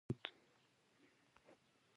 سعید په خپله کتابچه کې د کلا انځور کېښود.